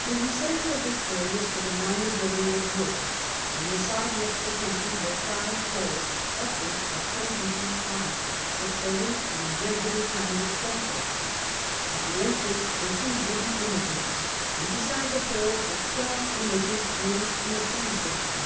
In the centre of this area stood a minor building of wood ; on the side next the country were five poles, upwards of twenty feet high, supporting an irregular kind of scaflbld ; at the entrance were two wooden images \ and beside the i)oles were twelve images ranged in a semicircle.